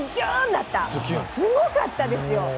だった、すごかったですよ。